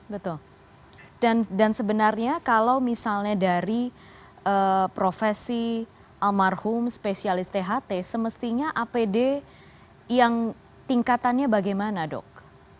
betul dan sebenarnya kalau misalnya dari profesi almarhum spesialis tht semestinya apd yang tingkatannya bagaimana dok